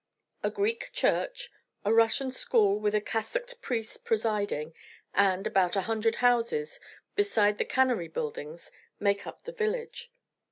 A Greek church, a Russian school with a cassocked priest presiding, and, about a hundred houses, beside the cannery buildings, make up the village.